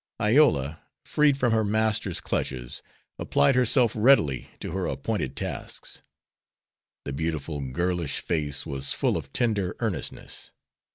Iola, freed from her master's clutches, applied herself readily to her appointed tasks. The beautiful, girlish face was full of tender earnestness.